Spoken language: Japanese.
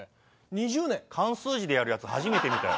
漢数字でやるやつ初めて見たよ。